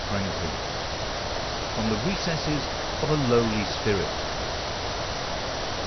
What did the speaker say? FROM THE RECESSES OF A LOWLY SPIRIT.